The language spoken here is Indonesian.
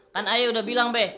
kan ayo udah bilang be